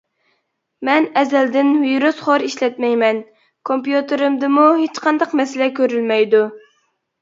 مەن ئەزەلدىن ۋىرۇسخور ئىشلەتمەيمەن، كومپيۇتېرىمدىمۇ ھېچقانداق مەسىلە كۆرۈلمەيدۇ.